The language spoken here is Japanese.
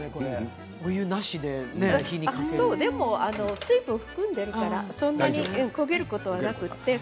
水分を含んでいるからそんなに焦げることはないです。